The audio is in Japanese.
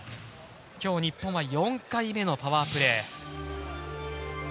今日、日本は４回目のパワープレー。